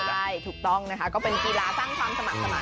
ใช่ถูกต้องนะคะก็เป็นกีฬาสร้างความสมัครสมัค